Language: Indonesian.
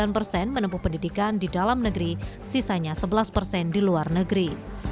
sembilan persen menempuh pendidikan di dalam negeri sisanya sebelas persen di luar negeri